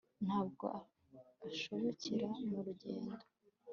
Nta bwo ashobokera mu rugendo